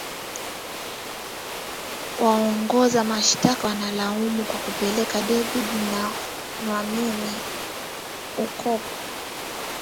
Waongoza mashitaka wanawalaumu kwa kupeleka David Nwamini Ukpo